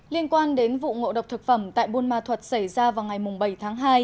liên quan đến vụ ngộ độc thực phẩm tại buôn ma thuật xảy ra vào ngày bảy tháng hai